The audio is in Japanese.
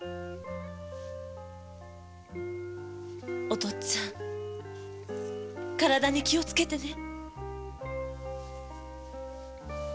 お父っつぁん体に気をつけてね。